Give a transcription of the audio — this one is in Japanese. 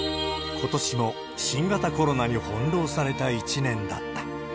ことしも新型コロナに翻弄された１年だった。